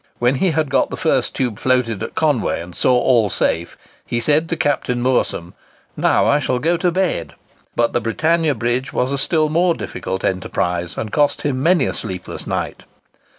When he had got the first tube floated at Conway, and saw all safe, he said to Captain Moorsom, "Now I shall go to bed." But the Britannia Bridge was a still more difficult enterprise, and cost him many a sleepless night.